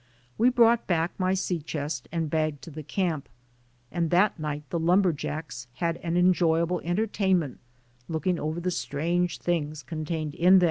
We brought back my sea chest and bag to the camp and that niglit the lumber jacks had an enjoyable entertainment looking over the strange things contained in them.